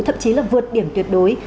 thậm chí là vượt điểm tuyệt đối